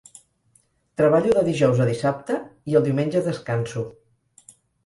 Treballo de dijous a dissabte, i el diumenge descanso.